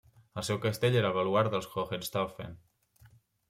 El seu castell era el baluard dels Hohenstaufen.